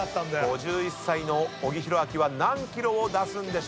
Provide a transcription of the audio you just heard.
５１歳の小木博明は何キロを出すんでしょうか。